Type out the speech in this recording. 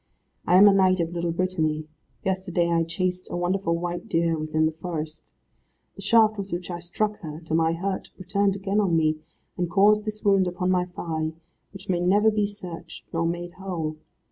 I am a knight of Little Brittany. Yesterday I chased a wonderful white deer within the forest. The shaft with which I struck her to my hurt, returned again on me, and caused this wound upon my thigh, which may never be searched, nor made whole.